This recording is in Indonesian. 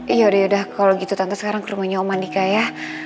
yaudah yaudah kalau gitu tante sekarang ke rumahnya om mandika ya